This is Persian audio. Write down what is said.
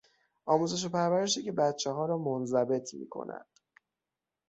آموزش و پرورشی که بچهها را منضبط میکند.